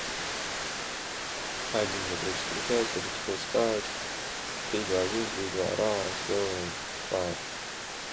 That sparked a political crisis that culminated with the suicide of Vargas.